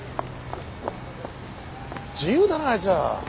自由だなあいつは。